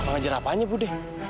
aku ngajar apanya budi